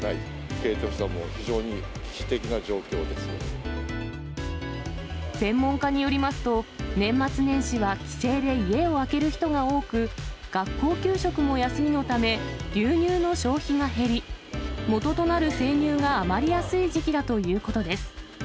経営としてはもう非常に危機的な専門家によりますと、年末年始は帰省で家を空ける人が多く、学校給食も休みのため、牛乳の消費が減り、もととなる生乳が余りやすい時期だということです。